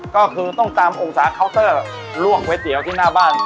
ก็คือต้องตามองศาเคาน์เตอร์ลวกก๋วยเตี๋ยวที่หน้าบ้าน